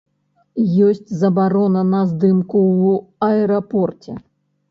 Ёсць забарона на здымку ў аэрапорце.